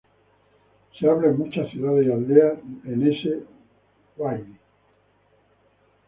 Se habla en muchas ciudades y aldeas en ese Uadi.